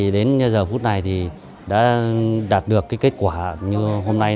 đến giờ phút này đã đạt được kết quả như hôm nay